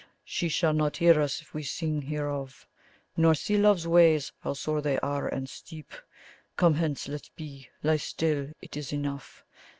She shall not hear us if we sing hereof, Nor see love's ways, how sore they are and steep. Come hence, let be, lie still; it is enough.